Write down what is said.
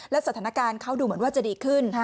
และสถานการณ์เขาดูเหมือนว่าจะดีขึ้น